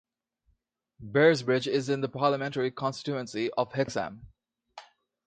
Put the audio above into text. Bearsbridge is in the parliamentary constituency of Hexham.